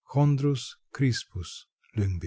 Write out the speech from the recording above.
(Chondrus crispus lyngb.)